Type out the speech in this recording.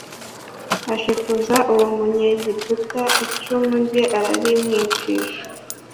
ashikuza uwo Munyegiputa icumu rye ararimwicisha